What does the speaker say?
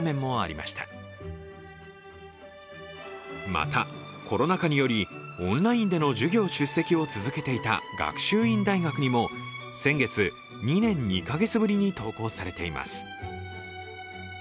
また、コロナ禍によりオンラインでの授業出席を続けていた学習院大学にも、先月２年２か月ぶりに登校されています。